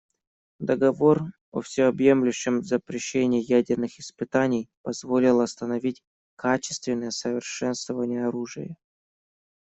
Договор о всеобъемлющем запрещении ядерных испытаний позволил остановить качественное совершенствование оружия.